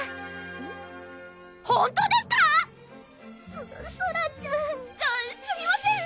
ソソラちゃんすみません！